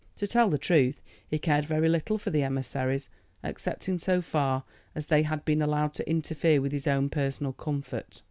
To tell the truth, he cared very little for the emissaries, excepting so far as they had been allowed to interfere with his own personal comfort.